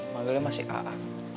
mangelnya masih a a